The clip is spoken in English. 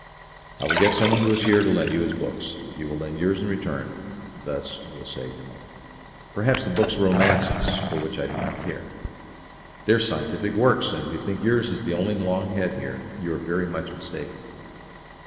"I will get someone who is here to lend you his books, if you will lend yours in return; thus you will save your money." "Perhaps the books are romances, for which I do not care." "They are scientific works; and if you think yours is the only long head here, you are very much mistaken."